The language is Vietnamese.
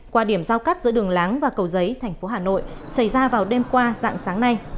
qua điểm giao cắt giữa đường láng và cầu giấy thành phố hà nội xảy ra vào đêm qua dạng sáng nay